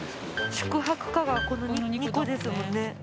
宿泊可がこの２個ですもんね。